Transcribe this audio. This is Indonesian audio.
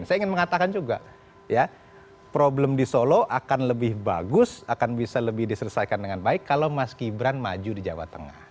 saya ingin mengatakan juga ya problem di solo akan lebih bagus akan bisa lebih diselesaikan dengan baik kalau mas gibran maju di jawa tengah